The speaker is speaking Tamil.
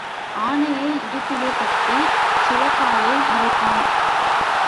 ஆனையை இடுப்பிலே கட்டிச் சுளகாலே மறைப்பான்.